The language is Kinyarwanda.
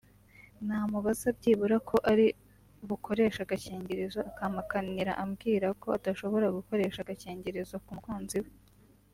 namubaza byibura ko ari bukoreshe agakingirizo akampakanira ambwira ko adashobora gukoresha agakingirizo k’umukunzi we